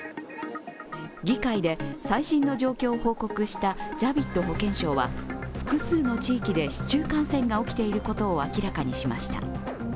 議会で最新の状況を報告したジャヴィッド保健相は、複数の地域で市中感染が起きていることを明らかにしました。